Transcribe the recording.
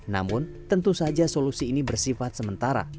namun tentu saja solusi ini bersifat sementara